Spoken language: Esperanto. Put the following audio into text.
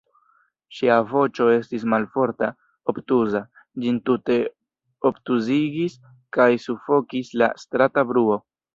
Ŝia voĉo estis malforta, obtuza; ĝin tute obtuzigis kaj sufokis la strata bruo.